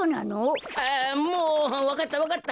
あもうわかったわかった。